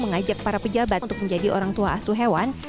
mengajak para pejabat untuk menjadi orang tua asuh hewan